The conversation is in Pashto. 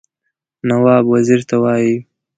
نواب وزیر ته ووايي.